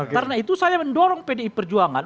karena itu saya mendorong pd perjuangan